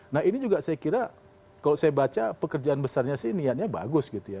nah ini juga saya kira kalau saya baca pekerjaan besarnya sih niatnya bagus gitu ya